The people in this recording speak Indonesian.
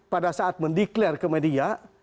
pada saat mendeklarasi ke media